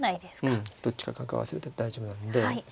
うんどっちか角合わせる手大丈夫なんで。